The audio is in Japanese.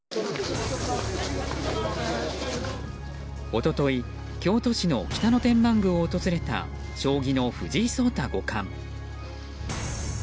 一昨日京都市の北野天満宮を訪れた将棋の藤井聡太五冠。